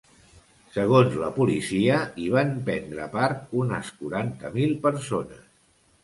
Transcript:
Segons la policia hi van prendre part unes quaranta mil persones.